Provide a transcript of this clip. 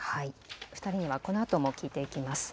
２人にはこのあとも聞いていきます。